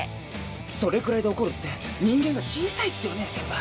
それくらいで怒るって人間が小さいですよね、先輩。